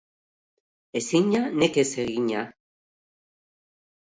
Ezina nekez egina.